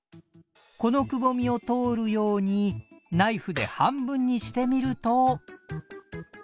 このくぼみを通るようにナイフで半分にしてみると。